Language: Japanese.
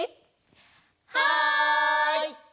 はい！